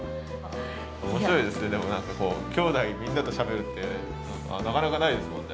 面白いですねでも何かこうきょうだいみんなとしゃべるってなかなかないですもんね。